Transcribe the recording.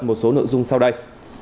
một số nội dung sau đây